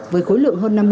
với khối lượng hơn